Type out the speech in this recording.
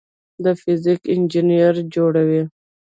د فزیک انجینري جوړوي.